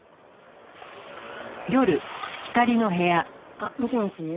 あっもしもし？